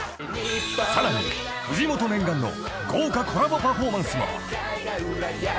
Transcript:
［さらに藤本念願の豪華コラボパフォーマンスも］